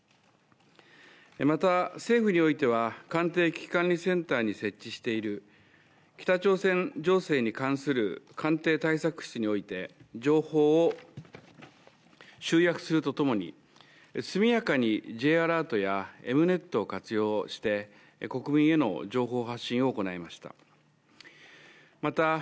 また、政府においては官邸危機管理センターに設置している北朝鮮情勢に関する官邸対策室において情報を集約するとともに、速やかにＪアラートやエムネットを活用して、国民への情報発信を行いました。